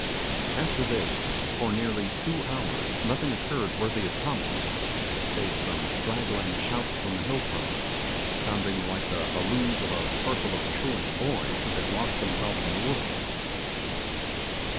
After this, for nearly two hours nothing occurred worthy of comment, save some straggling shouts from the hillside, sounding like the halloos of a parcel of truant boys who had lost themselves in the woods.